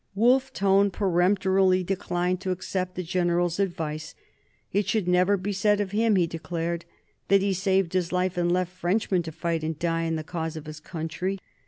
Wolfe Tone peremptorily declined to accept the General's advice. It should never be said of him, he declared, that he saved his life and left Frenchmen to fight and die in the cause of his country.